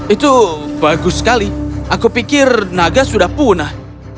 itu bagus sekali aku pikir naga sudah punah